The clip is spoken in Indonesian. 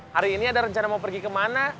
hari ini ada rencana mau pergi kemana